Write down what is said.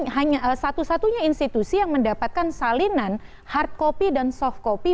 hanya satu satunya institusi yang mendapatkan salinan hard copy dan soft copy